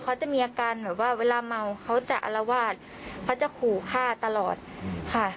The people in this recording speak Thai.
เขาจะมีอาการแบบว่าเวลาเมาเขาจะอารวาสเขาจะขู่ฆ่าตลอดค่ะ